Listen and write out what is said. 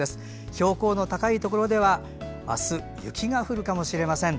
標高の高いところではあす、雪が降るかもしれません。